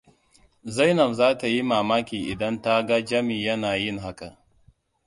Zainab za ta yi mamaki idan ta ga Jami yana yin haka.